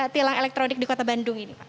tilang elektronik di kota bandung ini pak